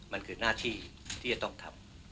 มันคือหน้าที่ที่จะต้องทำ